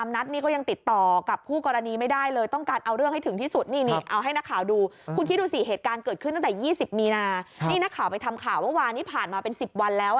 นี่นักข่าวไปทำข่าวเมื่อวานนี้ผ่านมาเป็น๑๐วันแล้ว